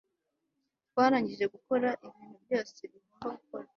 Twarangije gukora ibintu byose bigomba gukorwa